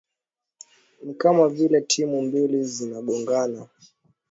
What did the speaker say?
ni kama vile timu mbili zinazogongana